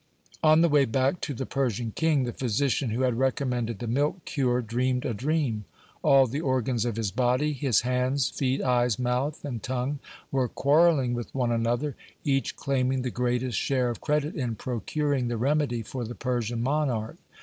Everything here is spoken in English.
On the way back to the Persian king the physician who had recommended the milk cure dreamed a dream. All the organs of his body, his hands, feet, eyes, mouth, and tongue, were quarrelling with one another, each claiming the greatest share of credit in procuring the remedy for the Persian monarch.